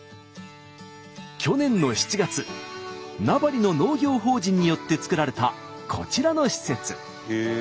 去年の７月名張の農業法人によって作られたこちらの施設。